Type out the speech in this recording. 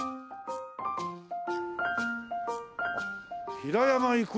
平山郁夫